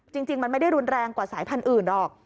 จริงมันไม่ได้รุนแรงกว่าสายพันธุ์อื่นหรอก